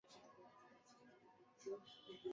যখন তোমরা ছিলে অজ্ঞ?